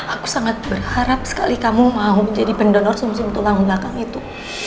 aku sangat berharap sekali kamu mau jadi pendonor sum sum tulang belakang itu